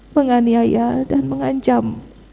menganiaya dan mengancam